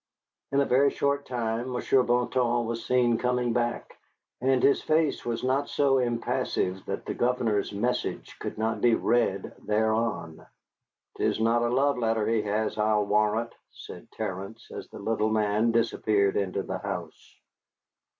In a very short time Monsieur Bouton was seen coming back, and his face was not so impassive that the governor's message could not be read thereon. "'Tis not a love letter he has, I'll warrant," said Terence, as the little man disappeared into the house.